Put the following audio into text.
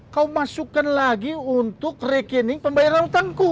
kau masukkan lagi untuk rekening pembayaran lautanku